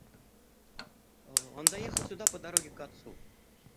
Он заехал сюда по дороге к отцу.